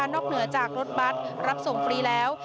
เหนือจากรถบัตรรับส่งฟรีแล้ว